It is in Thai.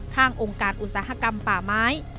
องค์การอุตสาหกรรมป่าไม้